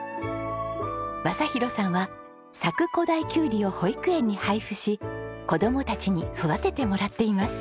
正博さんは佐久古太きゅうりを保育園に配布し子供たちに育ててもらっています。